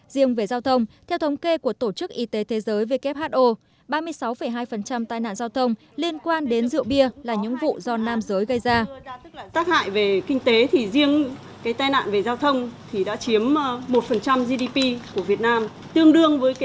riêng về giao thông theo thống kê của tổ chức y tế thế giới who ba mươi sáu hai tai nạn giao thông liên quan đến rượu bia là những vụ do